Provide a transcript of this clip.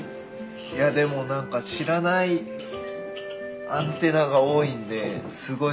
いやでもなんか知らないアンテナが多いんですごい